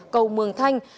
cầu mường thanh